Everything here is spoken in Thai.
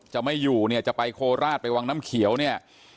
ไม่อยู่เนี่ยจะไปโคราชไปวังน้ำเขียวเนี่ย